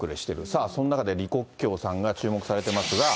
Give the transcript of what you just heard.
さあ、そんな中で李克強さんが注目されてますが。